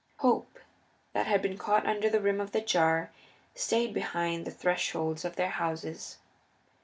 Hope, that had been caught under the rim of the jar, stayed behind the thresholds of their houses.